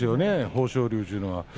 豊昇龍というのは。